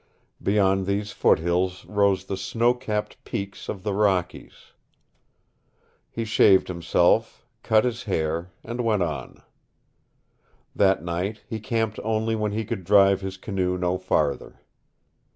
Beyond these foothills rose the snow capped peaks of the Rockies. He shaved himself, cut his hair, and went on. That night he camped only when he could drive his canoe no farther.